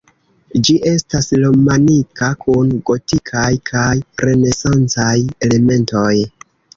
Ĝi estas romanika kun gotikaj kaj renesancaj elementoj.